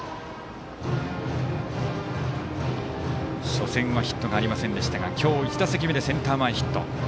初戦はヒットがありませんでしたが今日１打席目でセンター前ヒット。